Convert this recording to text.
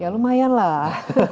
ya lumayan lah